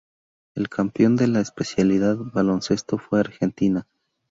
El campeón de la especialidad Baloncesto fue Argentina.